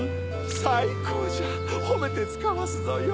さいこうじゃほめてつかわすぞよ！